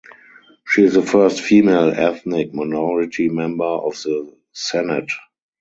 She is the first female ethnic minority member of the Senedd.